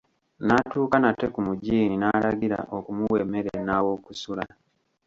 N'atuuka nate ku Mugiini n'alagira okumuwa emmere, n'aw'okusula.